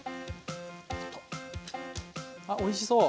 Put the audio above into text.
あおいしそう。